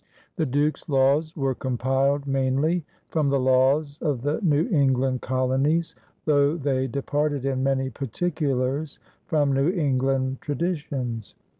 The Duke's Laws were compiled mainly from the laws of the New England colonies, though they departed in many particulars from New England traditions.